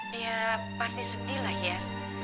dia pasti sedih lah ya